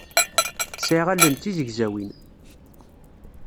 Sɛiɣ allen d tizegzawin.